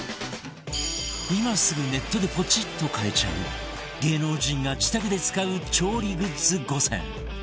今すぐネットでポチッと買えちゃう芸能人が自宅で使う調理グッズ５選